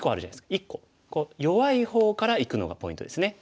１個弱い方からいくのがポイントですね。